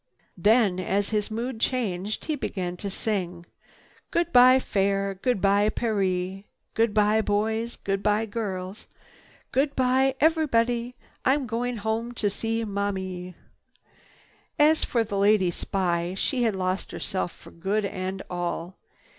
Then as his mood changed, he began to sing, "Goodbye Fair! Goodbye Paree! Goodbye boys! Goodbye girls! Goodbye everybody! I'm going home to my Mom ee!" As for the lady spy, she had lost herself for good and all.